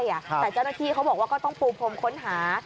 แต่เจ้าหน้าที่เขาบอกว่าก็ต้องปูพรมค้นหา